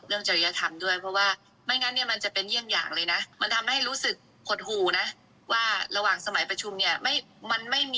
เป็นดิฉันที่ฉันก็จะไม่ไปดิฉันก็จะทิ้งตัว